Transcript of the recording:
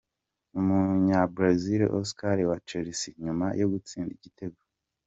UmunyaBresil Oscar wa Chelsea nyuma yo gutsinda igitego.